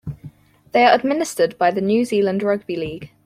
They are administered by the New Zealand Rugby League.